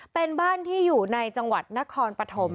เป็นบ้านที่อยู่ในจังหวัดนครปฐม